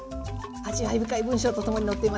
味わい深い文章と共に載っています。